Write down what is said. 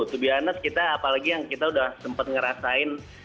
to be honest kita apalagi yang kita udah sempat ngerasain